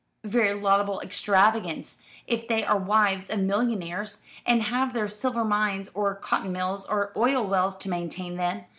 "Very laudable extravagance, if they are wives of millionaires, and have their silver mines, or cotton mills, or oil wells to maintain them.